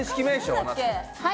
はい。